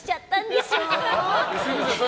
すみません。